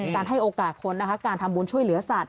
การให้โอกาสคนนะคะการทำบุญช่วยเหลือสัตว